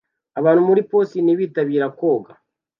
abantu muri pisine bitabira koga